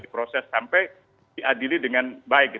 diproses sampai diadili dengan baik